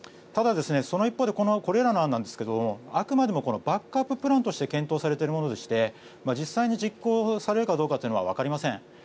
ただ、その一方でこれらの案なんですけどあくまでもバックアッププランとして検討されているものでして実際に実行されるかどうかというのは分かりません。